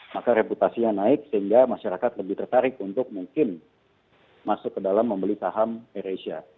maka reputasinya naik sehingga masyarakat lebih tertarik untuk mungkin masuk ke dalam membeli saham air asia